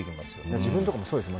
自分とかもそうですもん。